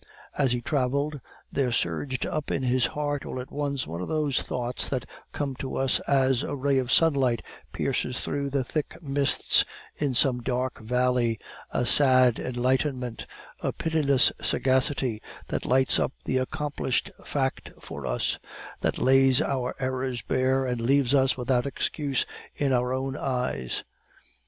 As he traveled, there surged up in his heart, all at once, one of those thoughts that come to us as a ray of sunlight pierces through the thick mists in some dark valley a sad enlightenment, a pitiless sagacity that lights up the accomplished fact for us, that lays our errors bare, and leaves us without excuse in our own eyes.